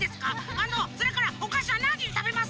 あのそれからおかしはなんじにたべますか？